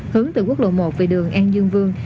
hướng từ quốc lộ một về đường an dương vương